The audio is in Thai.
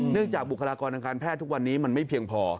จากบุคลากรทางการแพทย์ทุกวันนี้มันไม่เพียงพอ